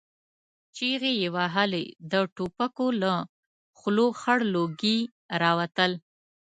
چيغې يې وهلې، د ټوپکو له خولو خړ لوګي را وتل.